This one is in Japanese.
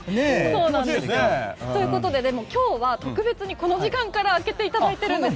今日は特別にこの時間から開けていただいているんです。